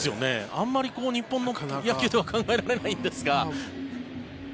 あまり日本の野球では考えられないんですが。